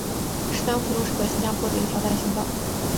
史丹福路是在新加坡的一条单行道。